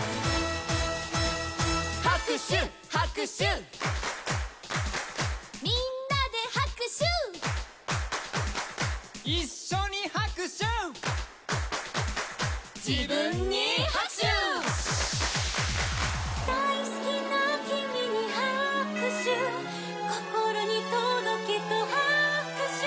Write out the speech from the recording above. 「はくしゅはくしゅ」「みんなではくしゅ」「いっしょにはくしゅ」「じぶんにはくしゅ」「だいすきなキミにはくしゅ」「こころにとどけとはくしゅ」